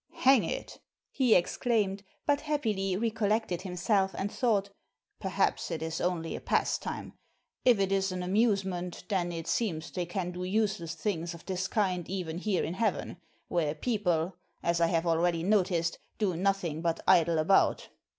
"Hang it," he exclaimed; but happily recollected himself, and thought, "Perhaps it is only a pastime. If it is an amusement, then it seems they can do useless things of this kind even here in heaven, where people, as I have already noticed, do nothing but idle about."